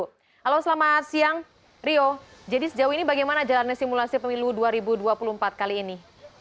halo selamat siang rio jadi sejauh ini bagaimana jalannya simulasi pemilu dua ribu dua puluh empat kali ini